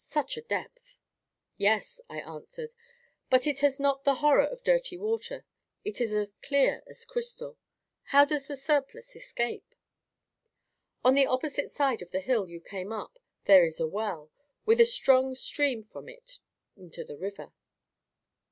Such a depth!" "Yes," I answered; "but it has not the horror of dirty water; it is as clear as crystal. How does the surplus escape?" "On the opposite side of the hill you came up there is a well, with a strong stream from it into the river."